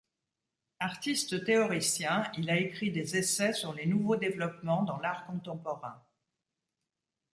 Artiste-théoricien, il a écrit des essais sur les nouveaux développements dans l'art contemporain.